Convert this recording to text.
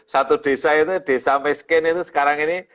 satu desa itu desa miskin itu sekarang ini